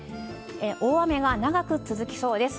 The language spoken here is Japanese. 大雨が長く続きそうです。